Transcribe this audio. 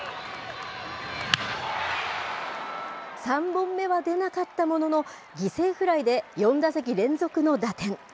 ３本目は出なかったものの、犠牲フライで、４打席連続の打点。